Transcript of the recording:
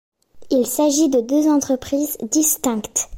Il s'agit de deux entreprises distinctes.